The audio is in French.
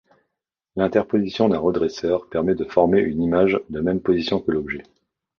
L'interposition d'un redresseur permet de former une image de même position que l'objet.